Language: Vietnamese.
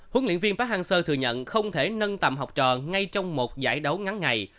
huấn luyện viên park thừa nhận không thể nâng tầm học trò ngay trong một giải đấu ngắn ngày